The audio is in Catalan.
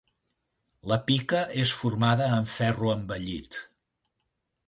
La pica és formada amb ferro envellit.